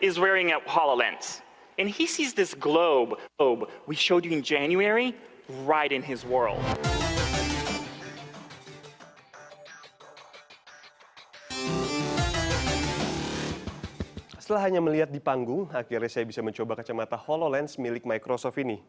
setelah hanya melihat di panggung akhirnya saya bisa mencoba kacamata hololens milik microsoft ini